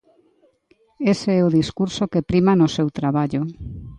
Ese é o discurso que prima no seu traballo.